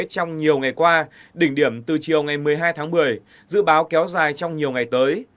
trong nhiều ngày qua đỉnh điểm từ chiều ngày một mươi hai tháng một mươi dự báo kéo dài trong nhiều ngày tới